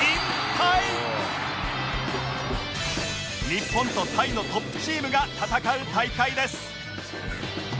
日本とタイのトップチームが戦う大会です